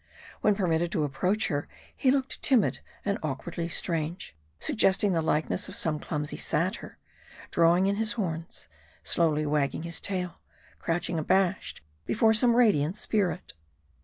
When permitted to approach her, he looked timid and awkwardly strange ; suggesting the likeness of some clumsy satyr, drawing in his horns ; slowly wagging his tail ; crouching abashed before some radiant spirit.